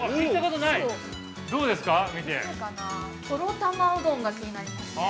◆とろ玉うどんが気になりますね。